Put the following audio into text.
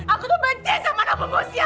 aku penting sama anak pembawa sia